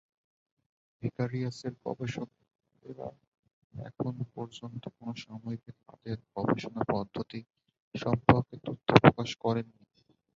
ভিকারিয়াসের গবেষকেরা এখন পর্যন্ত কোনো সাময়িকীতে তাঁদের গবেষণাপদ্ধতি সম্পর্কে তথ্য প্রকাশ করেননি।